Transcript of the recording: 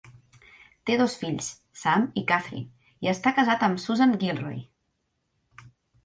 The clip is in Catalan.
Té dos fills, Sam i Kathryn, i està casat amb Susan Gilroy.